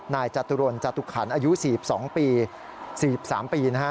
จตุรนจตุขันอายุ๔๒ปี๔๓ปีนะฮะ